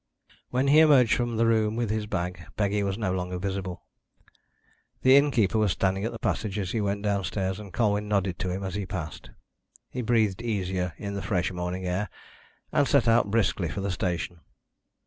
When he emerged from the room with his bag, Peggy was no longer visible. The innkeeper was standing in the passage as he went downstairs, and Colwyn nodded to him as he passed. He breathed easier in the fresh morning air, and set out briskly for the station.